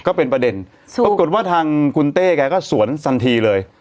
ก็เป็นประเด็นก็กดว่าทางขุนเต้กายก็สวนสันทีเลย